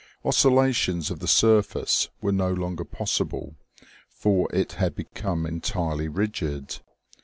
Oscil lations of the surface were no longer possible, for it had become entirely rigid.